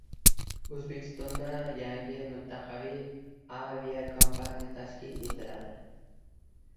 O‘zbekistonda yangi mintaqaviy aviakompaniya tashkil etiladi